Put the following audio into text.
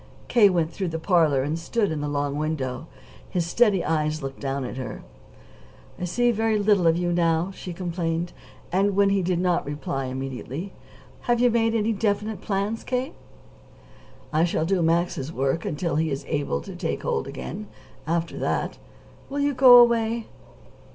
K. went through the parlor and stood in the long window. His steady eyes looked down at her. "I see very little of you now," she complained. And, when he did not reply immediately: "Have you made any definite plans, K.?" "I shall do Max's work until he is able to take hold again. After that " "You will go away?"